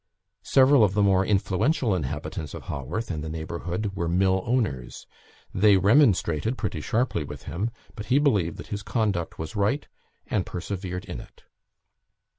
Several of the more influential inhabitants of Haworth and the neighbourhood were mill owners; they remonstrated pretty sharply with him, but he believed that his conduct was right and persevered in it.